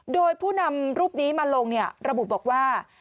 โดยผู้นำรูปนี้มาลงระบุบอกว่า